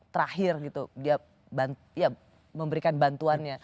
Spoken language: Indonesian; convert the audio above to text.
terakhir gitu dia memberikan bantuannya